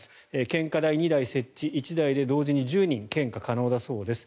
献花台２台設置１台で同時に１０人献花可能だそうです。